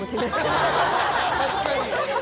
確かに。